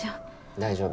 大丈夫。